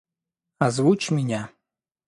Озвучь меня.